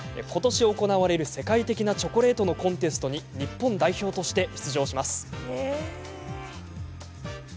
ことし行われる世界的なチョコレートのコンテストに日本代表として出場します。